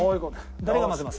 誰が交ぜます？